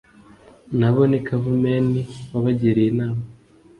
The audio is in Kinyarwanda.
Nabo ni Kavumenti wabagiriye Inama